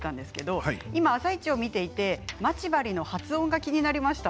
「あさイチ」を見ていてまち針の発音が気になりました。